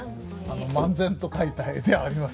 漫然と描いた絵ではありません。